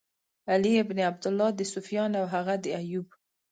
علی بن عبدالله، د سُفیان او هغه د ایوب.